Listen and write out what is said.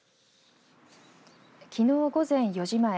きのう午前４時前